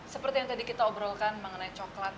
seperti yang tadi kita obrolkan mengenai coklat